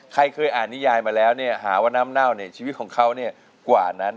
ใครเคยอ่านนิยายมาแล้วเนี่ยหาว่าน้ำเน่าเนี่ยชีวิตของเขากว่านั้น